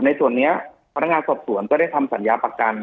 ในส่วนนี้พนักงานสอบสวนก็ได้ทำสัญญาประกัน